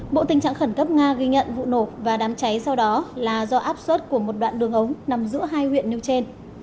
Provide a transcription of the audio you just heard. bộ tình trạng khẩn cấp nga ghi nhận vụ nổ và đám cháy sau đó là do áp suất của một đoạn đường ống nằm giữa hai huyện nêu trên